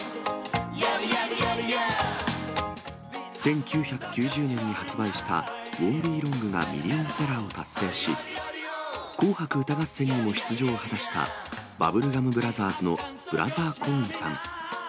１９９０年に発売したＷＯＮ’ＴＢＥＬＯＮＧがミリオンセラーを達成し、紅白歌合戦にも出場を果たした、バブルガム・ブラザーズのＢｒｏ．ＫＯＲＮさん。